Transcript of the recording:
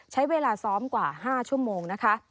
ใช้เวลาซ้อมกว่า๕ชั่วโมงนะคะ